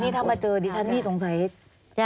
ถ้ามาเจอดิฉันนี่สงสัย